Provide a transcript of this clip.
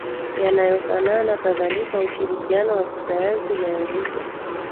yanayofanana Kadhalika ushirikiano wa kisayansi umeanzishwa